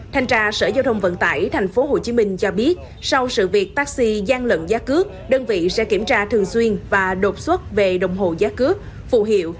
thanh tra sở giao thông vận tải tp hcm cho biết sau sự việc taxi gian lận giá cước đơn vị sẽ kiểm tra thường xuyên và đột xuất về đồng hồ giá cước phù hiệu